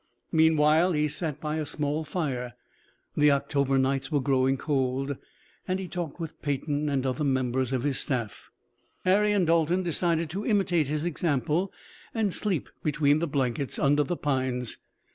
Meanwhile he sat by a small fire the October nights were growing cold and talked with Peyton and other members of his staff. Harry and Dalton decided to imitate his example and sleep between the blankets under the pines.